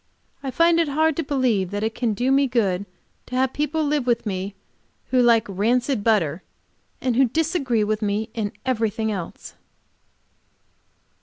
I find it hard to believe that it can do me good to have people live with me who like rancid butter, and who disagree with me in everything else.